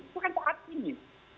itu kan saat ini